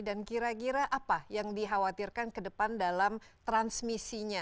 dan kira kira apa yang dikhawatirkan kedepan dalam transmisinya